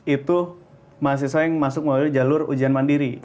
itu mahasiswa yang masuk melalui jalur ujian mandiri